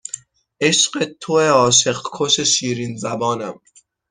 عشق توئه عاشق کش شیرین زبانم